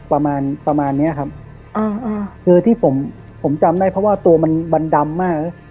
ประมาณประมาณเนี้ยครับอ่าอ่าคือที่ผมผมจำได้เพราะว่าตัวมันมันดำมาก